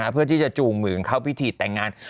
เพื่อที่จะจูงมือเข้าพิธีแต่งงาน